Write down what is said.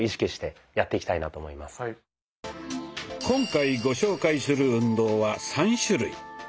今回ご紹介する運動は３種類。